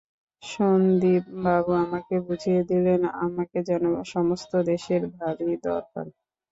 সন্দীপবাবু আমাকে বুঝিয়ে দিলেন, আমাকে যেন সমস্ত দেশের ভারি দরকার।